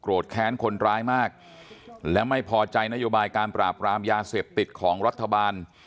แค้นคนร้ายมากและไม่พอใจนโยบายการปราบรามยาเสพติดของรัฐบาล